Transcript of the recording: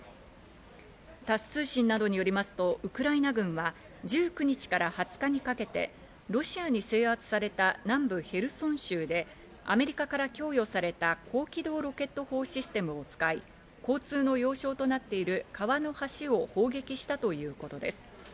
タス通信などによりますと、ウクライナ軍は１９日から２０日にかけて、ロシアに制圧された南部ヘルソン州で、アメリカから供与された高機動ロケット砲システムを使い、交通の要衝となっている川の橋を砲撃したということです。